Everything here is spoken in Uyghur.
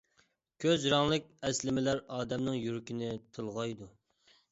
كۈز رەڭلىك ئەسلىمىلەر ئادەمنىڭ يۈرىكىنى تىلغايدۇ.